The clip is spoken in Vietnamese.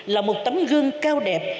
là một tấm gương cao đẹp